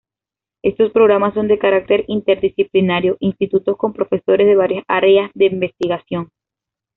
Estos programas son de carácter interdisciplinario institutos con profesores de varias áreas de investigación.